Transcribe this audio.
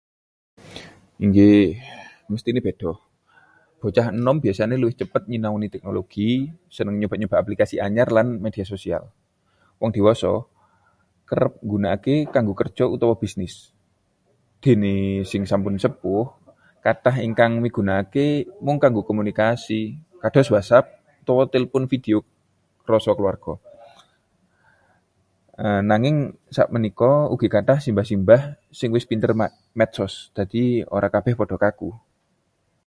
Inggih, mesthi beda. Bocah enom biasane luwih cepet nyinaoni teknologi, seneng nyoba-nyoba aplikasi anyar lan media sosial. Wong diwasa kerep nggunakke kanggo kerja utawa bisnis. Dene sing sampun sepuh, kathah ingkang migunakaké mung kanggo komunikasi, kados WhatsApp utawa telpon video kroso kulawarga. Nanging sakmenika ugi kathah simbah-simbah sing wis pinter medsos, dadi ora kabeh padha kaku.